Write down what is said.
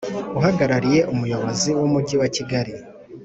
Uhagarariye Umuyobozi w Umujyi wa Kigali